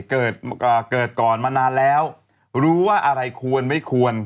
เกิดเกิดก่อนมานานแล้วรู้ว่าอะไรควรไม่ควร